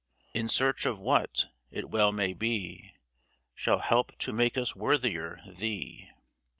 In search of what, it well may be, Shall help to make us worthier thee